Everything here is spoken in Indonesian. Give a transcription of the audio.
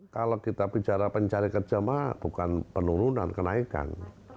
kalau kita bicara pencari kerja mah bukan penurunan kenaikan